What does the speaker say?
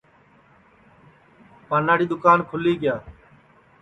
پاناڑی دؔوکان کھولی کیا